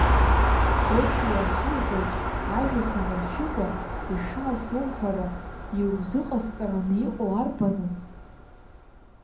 Отиа, суҳәоит, ажәа самыршьыкәа ишаасоуҳәара, иузыҟасҵараны иҟоу арбану?